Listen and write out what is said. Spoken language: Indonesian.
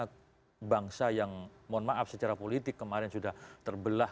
karena bangsa yang mohon maaf secara politik kemarin sudah terbelah